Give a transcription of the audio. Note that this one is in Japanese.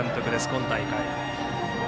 今大会。